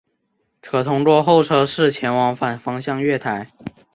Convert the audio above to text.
可通过候车室前往反方向月台。